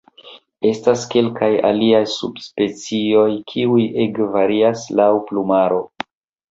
Estas kelkaj aliaj subspecioj kiuj ege varias laŭ plumaro.